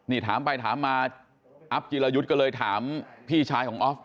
นี่ถามไปถามมาอัพจิรายุทธ์ก็เลยถามพี่ชายของออฟ